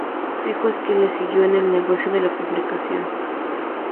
Su hijo es quien le siguió en el negocio de la publicación.